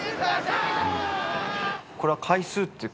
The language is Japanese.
これは回数って。